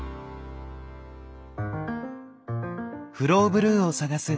フローブルーを探す